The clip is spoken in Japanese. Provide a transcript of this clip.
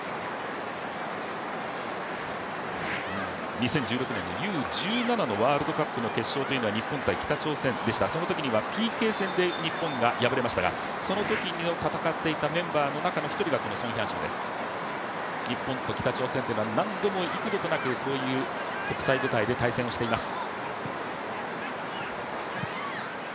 ２０１６年のＵー１７のワールドカップの決勝というのは、日本×北朝鮮でした、そのときにはＰＫ戦で日本が敗れましたが、そのときに戦っていたメンバーの中の１人がこのソン・ヒャンシムです、日本と北朝鮮というのは、何度も、幾度となくこういう国際舞台で対戦をしています。